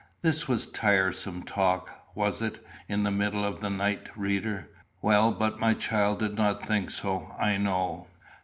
This was tiresome talk was it in the middle of the night, reader? Well, but my child did not think so, I know.